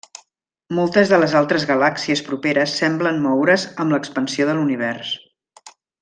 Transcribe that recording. Moltes de les altres galàxies properes semblen moure's amb l'expansió de l'univers.